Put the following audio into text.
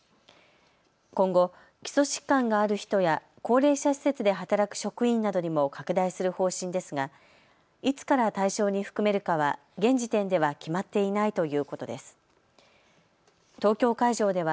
今後、基礎疾患がある人や高齢者施設で働く職員などにも拡大する方針ですがいつから対象に含めるかは現時点では決まっていないということです。